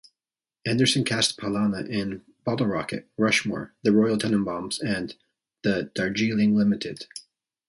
Anderson cast Pallana in "Bottle Rocket", "Rushmore", "The Royal Tenenbaums", and "The Darjeeling Limited".